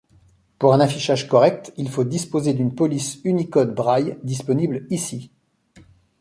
Pour un affichage correct, il faut disposer d'une police Unicode braille, disponible ici.